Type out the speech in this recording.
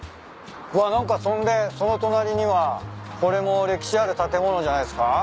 うわ何かそんでその隣にはこれも歴史ある建物じゃないっすか？